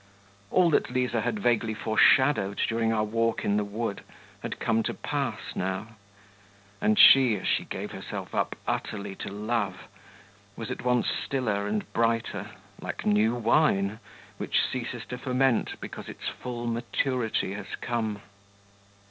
All that Liza had vaguely foreshadowed during our walk in the wood had come to pass now and she, as she gave herself up utterly to love, was at once stiller and brighter, like new wine, which ceases to ferment because its full maturity has come....